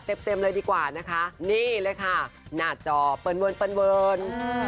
เต็มเลยดีกว่านะคะนี่เล่วค่ะหน้าจอเปินเวิน